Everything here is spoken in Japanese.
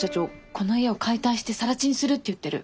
この家を解体してさら地にするって言ってる。